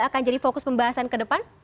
akan jadi fokus pembahasan kedepan